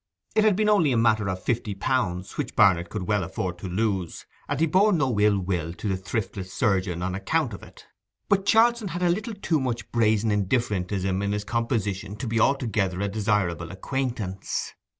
It had been only a matter of fifty pounds, which Barnet could well afford to lose, and he bore no ill will to the thriftless surgeon on account of it. But Charlson had a little too much brazen indifferentism in his composition to be altogether a desirable acquaintance.